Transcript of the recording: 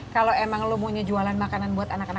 kalau emang lo mau nyejualan makanan buat anak anaknya